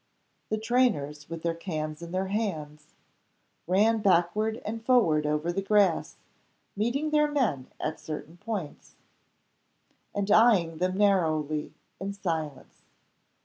The trainers, with their cans in their hands, ran backward and forward over the grass, meeting their men at certain points, and eying them narrowly, in silence.